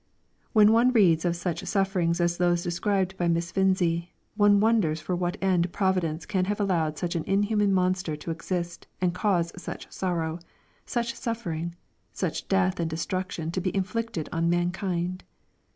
When one reads of such sufferings as those described by Miss Finzi, one wonders for what end Providence can have allowed such an inhuman monster to exist and cause such sorrow, such suffering, such death and destruction to be inflicted on mankind.